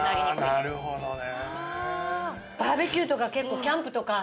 ああなるほどね。